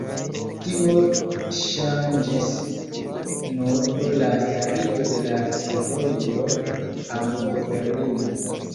Tio ŝanĝis nur pro la starigo de la fervojo Hamburgo-Berlino.